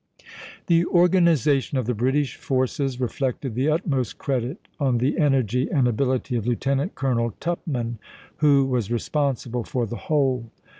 The organisation of the British forces reflected the utmost credit on the energy and ability of Lieutenant Colonel Tupman, who was responsible for the whole.